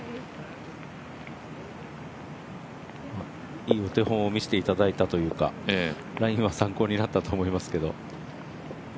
いいお手本を見せていただいたというか、ラインは参考になったと思いますけど。